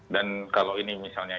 dan kalau ini misalnya